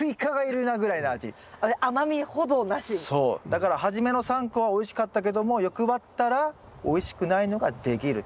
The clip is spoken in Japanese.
だから初めの３個はおいしかったけども欲張ったらおいしくないのができると。